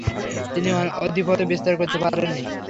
তিনি আধিপত্য বিস্তার করতে পারেননি।